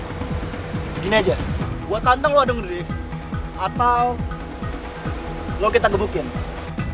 begini aja gue tantang lu adu ngedrift atau lu kita gebukin